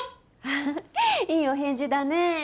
フフッいいお返事だね。